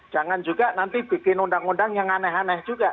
jangan juga nanti bikin undang undang yang aneh aneh juga